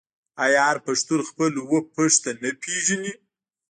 آیا هر پښتون خپل اوه پيښته نه پیژني؟